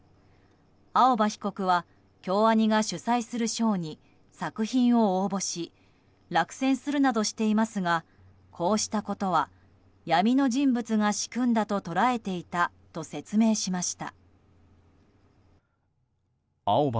青葉被告は京アニが主催する賞に作品を応募し落選するなどしていますがこうしたことは闇の人物が仕組んだと捉えていたと説明しました。